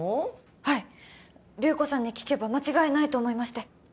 はい流子さんに聞けば間違いないと思いまして